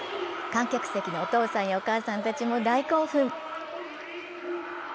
観客席のお父さんやお母さんたちも大興奮。